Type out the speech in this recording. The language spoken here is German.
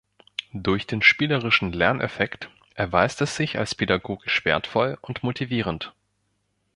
Durch den spielerischen Lerneffekt erweist es sich als pädagogisch wertvoll und motivierend.